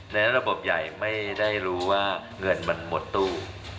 ในระบบใหญ่ไม่ได้รู้ว่าเงินมันหมดตู้